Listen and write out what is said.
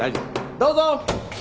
どうぞ！